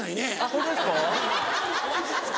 ホントですか。